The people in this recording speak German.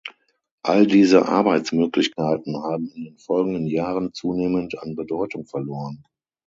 All diese Arbeitsmöglichkeiten haben in den folgenden Jahren zunehmend an Bedeutung verloren.